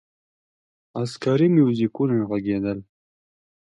عسکري موزیکونه ږغېدل.